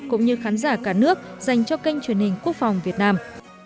cũng như khán giả cả nước dành cho kênh truyền hình quốc phòng việt nam